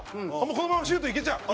このままシュートいけちゃう！